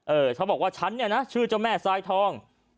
เออเขาบอกว่าฉันน่ะชื่อเจ้าแม่ซายทอง